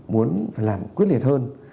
muốn làm quyết liệt hơn